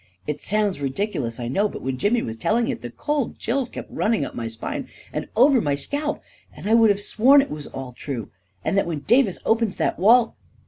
... It sounds ridiculous, I know; but when Jimmy was telling it, the cold chills kept running up my spine and over my scalp, and I would have sworn it was all true, and that when Davis opens that wall